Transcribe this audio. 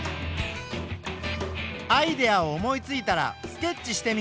アイデアを思いついたらスケッチしてみよう。